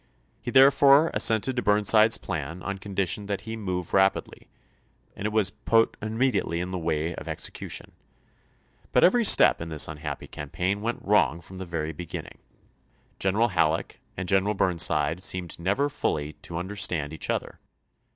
He therefore assented to Burnside's plan on condition that he "move rapidly" — and it was put immediately in the way of execution. But FKEDEKICKSBUKG 199 every step in this unhappy campaign went wrong from the very beginning. General Halleck and General Burnside seemed never fully to understand each other.